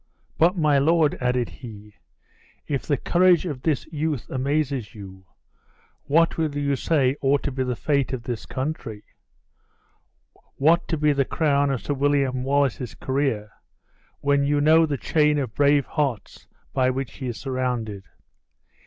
But, my lord," added he, "if the courage of this youth amazes you, what will you say ought to be the fate of this country? what to be the crown of Sir William Wallace's career, when you know the chain of brave hearts by which he is surrounded?